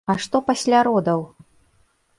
А што пасля родаў?